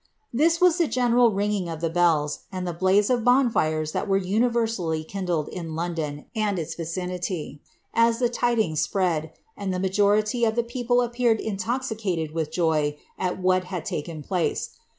This was the general ringing of the bells, and the blaze of bonfires that were universally kin dled in London and its vicinity, as the tidings spread, and the majority of the people appeared intoxicated with joy at what had taken place.